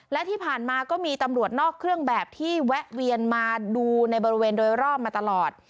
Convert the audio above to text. และที่ผ่านมาก็มีตำรวจนอกเครื่องแบบที่แวะเวียนมาดูในบริเวณโดยรอบมาตลอด